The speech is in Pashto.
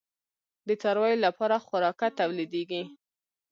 د څارویو لپاره خوراکه تولیدیږي؟